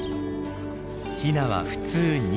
ヒナは普通２羽。